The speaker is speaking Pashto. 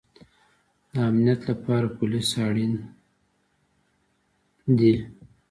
د امنیت لپاره پولیس اړین دی